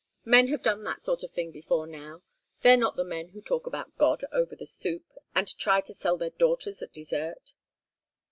Men have done that sort of thing before now they're not the men who talk about God over the soup, and try to sell their daughters at dessert!"